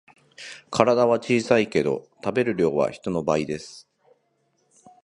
体は小さいけど食べる量は人の倍です